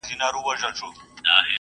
هغه ټولنه چي امنيت لري ژر پرمختګ کوي.